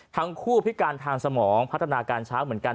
พิการทางสมองพัฒนาการช้างเหมือนกัน